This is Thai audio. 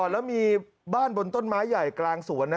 แล้วมีบ้านบนต้นไม้ใหญ่กลางสวนนะ